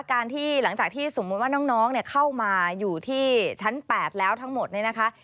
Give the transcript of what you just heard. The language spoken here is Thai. การที่หลังจากที่สมมุติว่าน้องเข้ามาอยู่ที่ชั้น๘แล้วทั้งหมดเนี่ยนะคะ